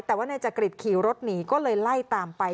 แต่ว่านายจักริตขี่รถหนีก็เลยไล่ตามไป